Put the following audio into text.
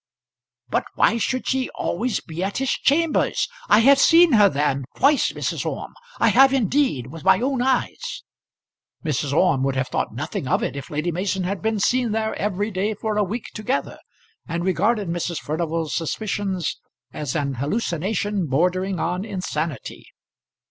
"But why should she always be at his chambers? I have seen her there twice, Mrs. Orme. I have indeed; with my own eyes." Mrs. Orme would have thought nothing of it if Lady Mason had been seen there every day for a week together, and regarded Mrs. Furnival's suspicions as an hallucination bordering on insanity.